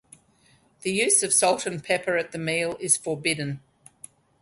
The use of salt and pepper at the meal is forbidden.